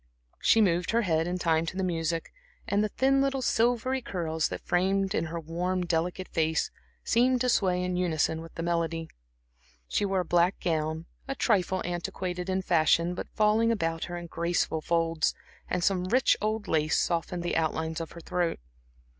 She moved her head in time to the music, and the thin little silvery curls that framed in her worn, delicate face seemed to sway in unison with the melody. She wore a black gown, a trifle antiquated in fashion but falling about her in graceful folds, and some rich old lace softened the outlines of her throat.